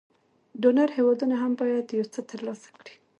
ډونر هېوادونه هم باید یو څه تر لاسه کړي.